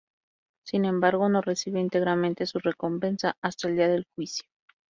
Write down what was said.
Sin embargo, no recibe íntegramente su recompensa hasta el Día del Juicio.